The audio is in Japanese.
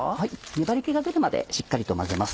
粘り気が出るまでしっかりと混ぜます。